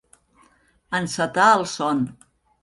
Encetar el son.